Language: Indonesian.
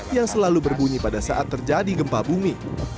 yang selalu berbunyi pada saat terjadi gempa bumi